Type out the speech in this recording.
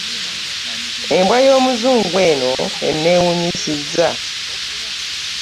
Embwa y'omuzungu eno enneewuunyisizza.